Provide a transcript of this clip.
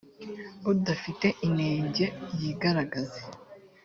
udafite inenge yigaragaze.